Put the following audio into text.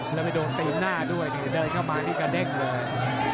แล้วไปโดนตีหน้าด้วยนี่เดินเข้ามานี่กระเด้งเลย